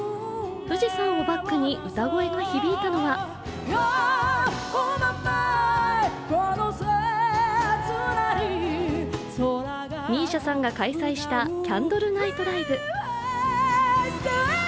富士山をバックに歌声が響いたのはＭＩＳＩＡさんが開催したキャンドルナイトライブ。